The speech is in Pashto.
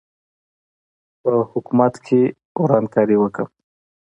په حکومت کې ورانکاري وکړم.